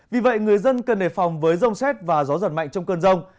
vì vậy người dân cần đề phòng với rông xét và gió giật mạnh trong cơn rông